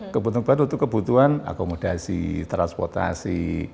kebutuhan kebutuhan itu kebutuhan akomodasi transportasi